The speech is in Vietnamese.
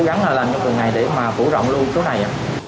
cố gắng làm cho thường ngày để phủ rộng luôn chỗ này